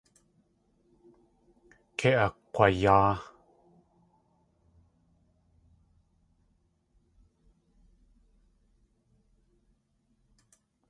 Kei akg̲wayáa.